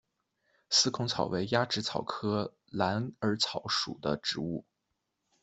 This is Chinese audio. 四孔草为鸭跖草科蓝耳草属的植物。